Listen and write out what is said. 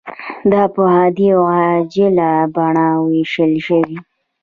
دا په عادي او عاجله بڼه ویشل شوې.